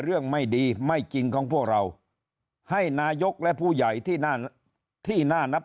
เรื่องไม่ดีไม่จริงของพวกเราให้นายกและผู้ใหญ่ที่น่านับ